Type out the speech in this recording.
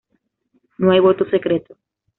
No hay voto secreto.